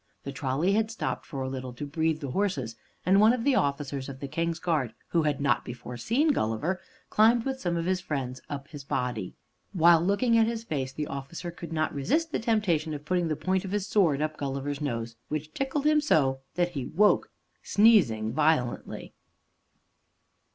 The trolley had stopped for a little to breathe the horses, and one of the officers of the King's Guard who had not before seen Gulliver, climbed with some friends up his body. While looking at his face, the officer could not resist the temptation of putting the point of his sword up Gulliver's nose, which tickled him so that he woke, sneezing violently.